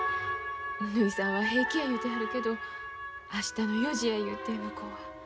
ぬひさんは平気や言うてはるけど明日の４時や言うて向こうは。